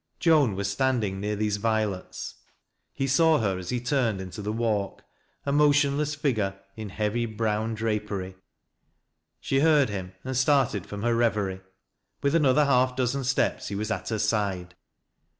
Joan was standing near these violets, — he saw her as he turned into the walk, — a motionless figure in heavy brown dr» pery. 268 THAT LA88 Cf LOWBIE'S. She heard him and started from her reverie With another half dozen steps he was at her side.